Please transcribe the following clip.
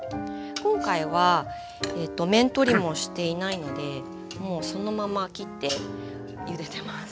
今回は面取りもしていないのでもうそのまま切ってゆでてます。